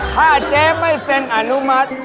ถ้าเจ๊ไม่เซ็นอนุมัติ